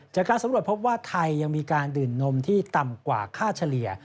จากการสำรวจพบว่าไทยยังมีการดื่มนมที่ต่ำกว่าค่าเฉลี่ย